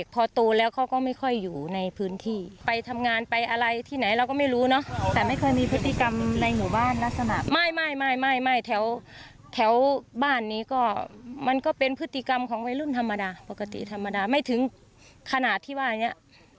สถานะที่ว่าอย่างนี้มันคาดไม่ถึงเลย